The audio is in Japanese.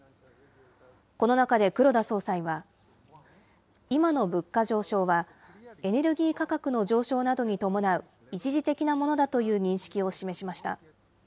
この中で黒田総裁は、今の物価上昇は、エネルギー価格の上昇などに伴う一時的なものだという認識を示しました。